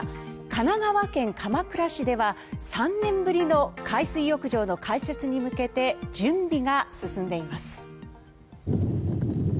神奈川県鎌倉市では３年ぶりの海水浴場の開設に向けて準備が進んでいます。